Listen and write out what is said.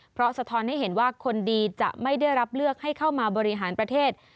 เพราะสะท้อนให้เห็นว่าคนดีจะไม่ได้รับเลือกให้เข้ามาบริหารประเทศ